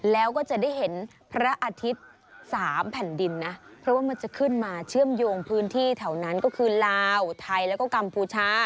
แล้วก็จะได้เห็นพระอาทิตย์๓แผ่นดินนะเพราะว่ามันจะขึ้นมาเชื่อมโยงพื้นที่แถวนั้นก็คือลาวไทยแล้วก็กัมพูชา